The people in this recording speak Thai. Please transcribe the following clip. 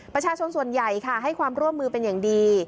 ประชาชนส่วนใหญ่ค่ะให้ความร่วมมือเป็นอย่างดี